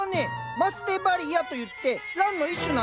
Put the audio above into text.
マスデバリアといってランの一種なんです。